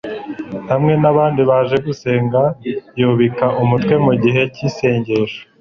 Hamwe n'abandi baje gusenga, yubika umutwe mu gihe cy'isengesho